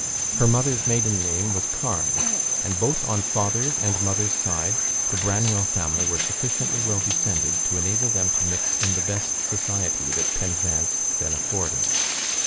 Her mother's maiden name was Carne: and, both on father's and mother's side, the Branwell family were sufficiently well descended to enable them to mix in the best society that Penzance then afforded.